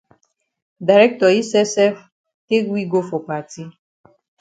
Director yi sef sef take we go for party.